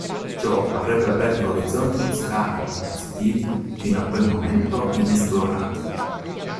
Ciò avrebbe aperto orizzonti musicali e compositivi fino a quel momento inesplorati.